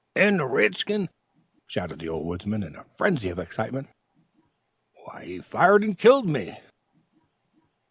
"And the red skin " shouted the old woodsman, in a frenzy of excitement. "_Fired and killed me!